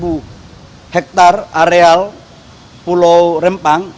itu yang bisa dikelola hanya tujuh belas hektare areal pulau rempang